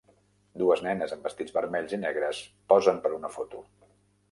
Dues nenes amb vestits vermells i negres posen per una foto